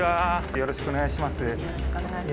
よろしくお願いします。